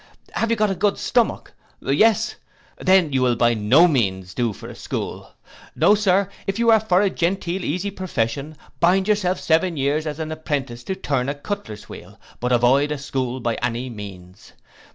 Have you got a good stomach? Yes. Then you will by no means do for a school. No, Sir, if you are for a genteel easy profession, bind yourself seven years as an apprentice to turn a cutler's wheel; but avoid a school by any means.